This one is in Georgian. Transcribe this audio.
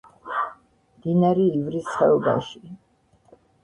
მდინარე ივრის ხეობაში.